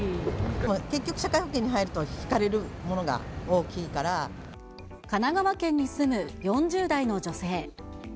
結局社会保険に入ると引かれ神奈川県に住む４０代の女性。